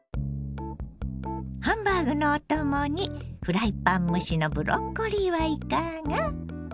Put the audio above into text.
ハンバーグのお供にフライパン蒸しのブロッコリーはいかが？